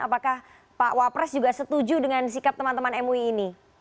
apakah pak wapres juga setuju dengan sikap teman teman mui ini